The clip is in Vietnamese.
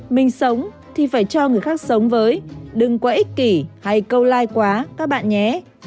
mình sống thì phải cho người khác sống với đừng quá ích kỷ hay câu like quá các bạn nhé